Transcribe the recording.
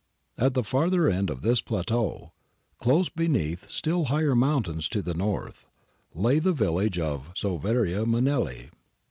At the farther end of this plateau, close beneath still higher mountains to the north, lay the village of Soveria Mannelli.